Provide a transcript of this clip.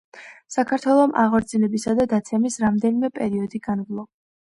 საქართველომ აღორძინებისა და დაცემის რამდენიმე პერიოდი განვლო